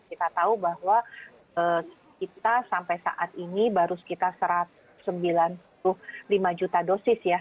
kita tahu bahwa kita sampai saat ini baru sekitar satu ratus sembilan puluh lima juta dosis ya